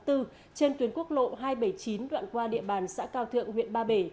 trên tuyến quốc lộ hai trăm bảy mươi chín đoạn qua địa bàn xã cao thượng huyện ba bể